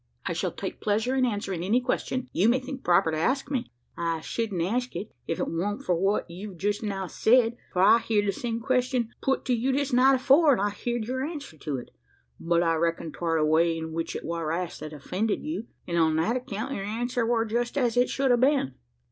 "I shall take pleasure in answering any question you may think proper to ask me." "I shedn't ask it, if it wa'n't for what you've jest now said: for I heerd the same question put to you this night afore, an' I heerd your answer to it. But I reckon 'twar the way in which it war asked that offended you; an' on that account your answer war jest as it should a been."